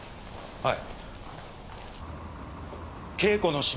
はい？